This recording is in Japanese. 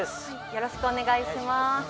よろしくお願いします。